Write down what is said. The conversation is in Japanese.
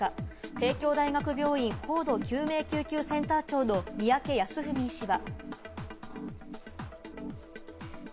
帝京大学病院高度救命救急センター長の三宅康史医師は。